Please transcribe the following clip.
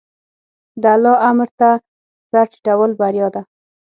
د الله امر ته سر ټیټول بریا ده.